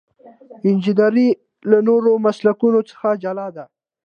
انجنیری له نورو مسلکونو څخه جلا ده.